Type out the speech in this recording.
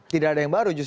tidak ada yang baru justru